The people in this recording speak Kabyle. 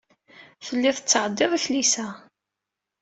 Telliḍ tettɛeddiḍ i tlisa.